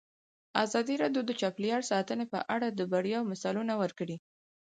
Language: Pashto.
ازادي راډیو د چاپیریال ساتنه په اړه د بریاوو مثالونه ورکړي.